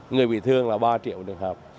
người bị thương là ba triệu một trường hợp